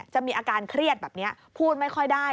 มีอาการเครียดแบบนี้พูดไม่ค่อยได้